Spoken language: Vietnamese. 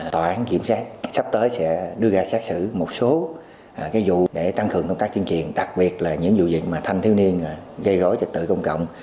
tòa án kiểm soát sắp tới sẽ đưa ra xét xử một số vụ để tăng cường công tác tuyên truyền đặc biệt là những vụ việc mà thanh thiếu niên gây rối trật tự công cộng